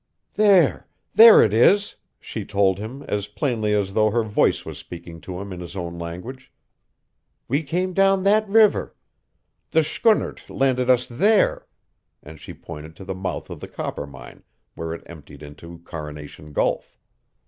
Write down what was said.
"There there it is!" she told him, as plainly as though her voice was speaking to him in his own language. "We came down that river. The Skunnert landed us THERE," and she pointed to the mouth of the Coppermine where it emptied into Coronation Gulf.